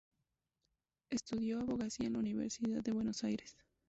Estudió abogacía en la Universidad de Buenos Aires.